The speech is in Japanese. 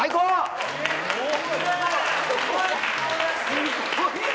すごいね！